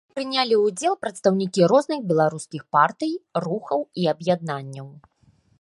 У ёй прынялі ўдзел прадстаўнікі розных беларускіх партый, рухаў і аб'яднанняў.